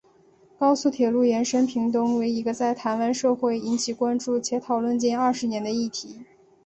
高速铁路延伸屏东为一个在台湾社会引起关注且讨论近二十年的议题。